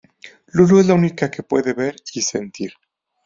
Lulu es la única que la puede ver y sentir.